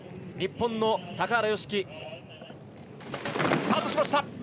日本の高原宜希スタートしました。